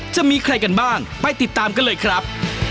จะมีใครกันบ้างไปติดตามกันเลยครับ